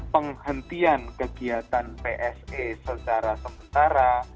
penghentian kegiatan pse secara sementara